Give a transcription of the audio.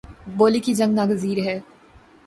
بولی کی جنگ ناگزیر ہے